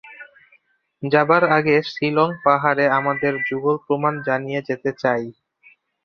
যাবার আগে শিলঙ পাহাড়কে আমাদের যুগল প্রণাম জানিয়ে যেতে চাই।